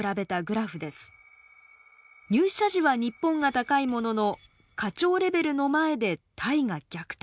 入社時は日本が高いものの課長レベルの前でタイが逆転。